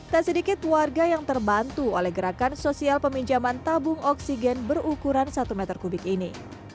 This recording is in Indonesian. dan sedikit warga yang terbantu oleh gerakan sosial peminjaman tabung oksigen berukuran satu meter kubik ini